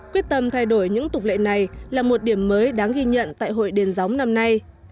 quyết tâm thay đổi những tục lệ này là một điểm mới đáng ghi nhận tại hội đền gióng năm nay